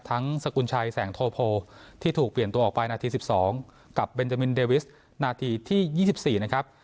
ทั้งสกุลชัยแสงโทโพที่ถูกเปลี่ยนตัวออกไปนาทีสิบสองกับเบนเจมินเดวิสนาทีที่ยี่สิบสี่นะครับ